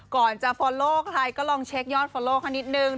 ก่อนจะฟอลโลใครก็ลองเช็คยอดฟอลโลเขานิดนึง